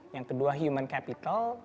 yang kedua human capital